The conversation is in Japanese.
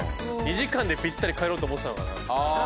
２時間でぴったり帰ろうと思ってたのかな？